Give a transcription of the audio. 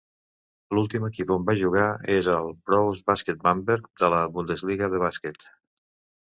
L'últim equip on va jugar és el Brose Baskets Bamberg, de la Bundesliga de bàsquet.